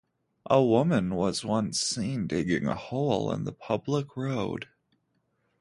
A woman was once seen digging a hole in the public road.